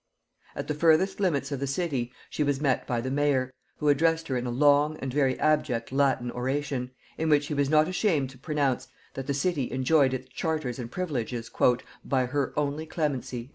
At the furthest limits of the city she was met by the mayor, who addressed her in a long and very abject Latin oration, in which he was not ashamed to pronounce that the city enjoyed its charters and privileges "by her only clemency."